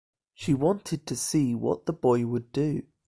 She wanted to see what the boy would do.